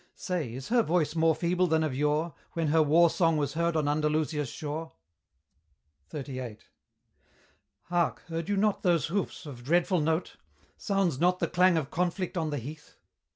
Say, is her voice more feeble than of yore, When her war song was heard on Andalusia's shore? XXXVIII. Hark! heard you not those hoofs of dreadful note? Sounds not the clang of conflict on the heath?